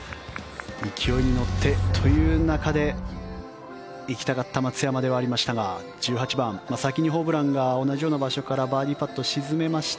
勢いに乗ってという中で行きたかった松山ではありましたが１８番、先にホブランが同じような場所からバーディーパットを沈めました。